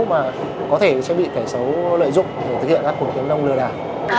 mà có thể sẽ bị kẻ xấu lợi dụng để thực hiện các cuộc kiếm nông lừa đảo